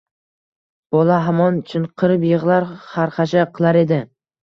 Bola hamon chinqirib yig‘lar, xarxasha qilar edi.